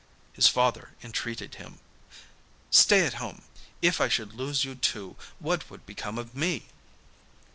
His father entreated him, 'Stay at home. If I should lose you too, what would become of me?